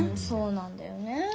そうなんだよね。